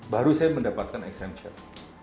baru saya mendapatkan exemption